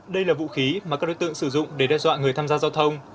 đây là vũ khí mà các đối tượng sử dụng để đe dọa người tham gia giao thông